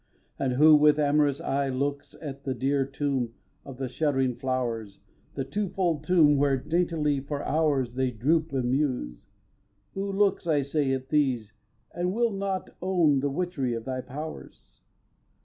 And who with amorous eye Looks at the dear tomb of the shuddering flowers, The two fold tomb where daintily for hours They droop and muse, who looks, I say, at these And will not own the witchery of thy powers?